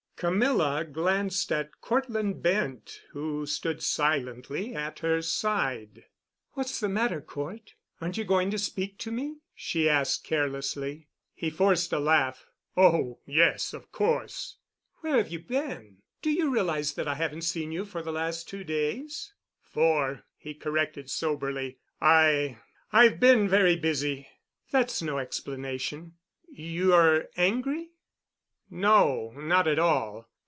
Camilla glanced at Cortland Bent, who stood silently at her side. "What's the matter, Cort? Aren't you going to speak to me?" she asked carelessly. He forced a laugh. "Oh, yes, of course." "Where have you been? Do you realize that I haven't seen you for the last two days?" "Four," he corrected soberly. "I—I've been very busy." "That's no explanation. You're angry?" "No, not at all.